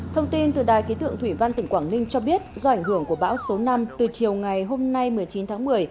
thông tin từ đài ký tượng thủy văn tỉnh quảng ninh cho biết do ảnh hưởng của bão số năm từ chiều ngày hôm nay một mươi chín tháng một mươi